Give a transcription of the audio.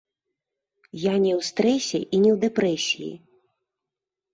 Я не ў стрэсе і не ў дэпрэсіі.